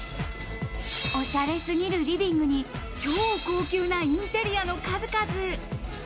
おしゃれすぎるリビングに超高級なインテリアの数々。